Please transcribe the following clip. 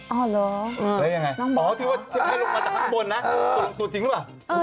แล้วยังไงพ่อก็คิดว่าข้ารุกมาตากลับบนนะหนูตัวจริงหรือ